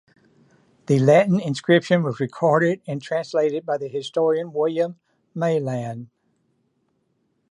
The Latin inscription was recorded and translated by the historian William Maitland.